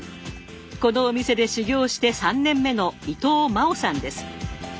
このお店で修業して３年目の伊藤真生さんです。